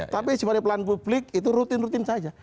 tapi sebagai pelayan publik itu rutin rutin saja